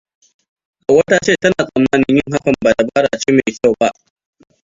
Hauwa ta ce tana tsammanin yin hakan ba dabara ce mai kyau ba.